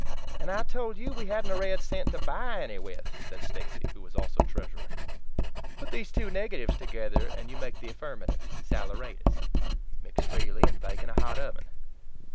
"And I told you we hadn't a red cent to buy any with," said Stacy, who was also treasurer. "Put these two negatives together and you make the affirmative saleratus. Mix freely and bake in a hot oven."